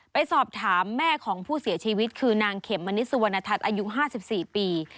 ไปสอบถามแม่ของผู้เสียชีวิตคือนางเข็มมณิสุวรรณทัศน์อายุ๕๔ปี